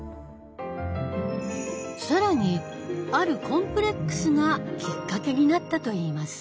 更にあるコンプレックスがきっかけになったと言います。